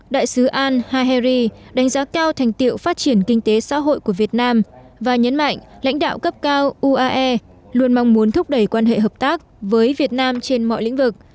đại sứ al haheri đánh giá cao thành tiệu phát triển kinh tế xã hội của việt nam và nhấn mạnh lãnh đạo cấp cao uae luôn mong muốn thúc đẩy quan hệ hợp tác với việt nam trên mọi lĩnh vực